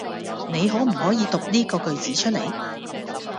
你可唔可以讀呢個句子出嚟?